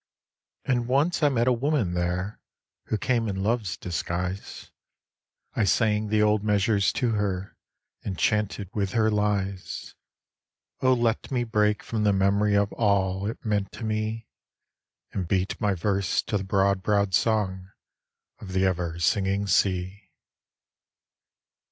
And once I met a woman there, who came in love's disguise. I sang the old measures to her, enchanted with her lies : O let me break from the memory of all it meant to me, And beat my verse to the broad browed song of the ever singing sea.